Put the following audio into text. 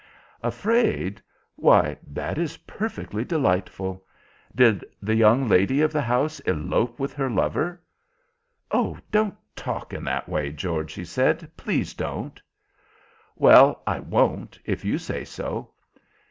"Afraid? Why, that is perfectly delightful. Did the young lady of the house elope with her lover?" "Oh, don't talk in that way, George," she said. "Please don't." "Well, I won't, if you say so.